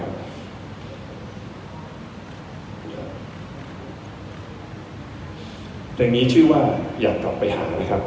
อย่างนี้ชื่อว่าอยากกลับไปหานะครับ